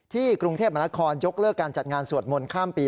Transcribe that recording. กรุงเทพมนาคอนยกเลิกการจัดงานสวดมนต์ข้ามปี